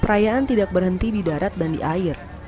perayaan tidak berhenti di darat dan di air